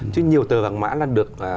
chứ nhiều tờ vàng mã là được